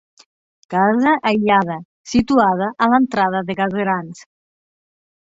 Casa aïllada, situada a l'entrada de Gaserans.